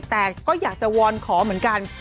แต่ก็อยากจะวอนขอเหมือนกัน